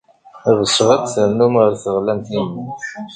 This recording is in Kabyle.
Ɣseɣ ad d-ternum ɣer teɣlamt-inu.